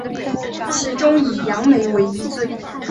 其中以杨梅为一最。